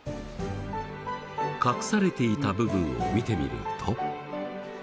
隠されていた部分を見てみると。